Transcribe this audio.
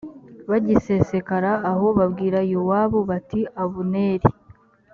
bagisesekara aho babwira yowabu bati abuneri